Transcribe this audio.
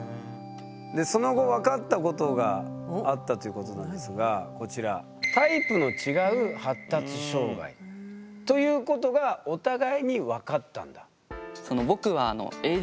その後わかったことがあったということなんですがこちらということがお互いにわかったんだ？